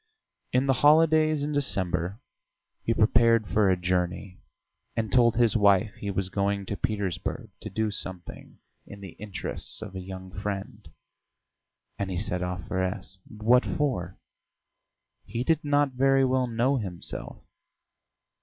In the holidays in December he prepared for a journey, and told his wife he was going to Petersburg to do something in the interests of a young friend and he set off for S . What for? He did not very well know himself.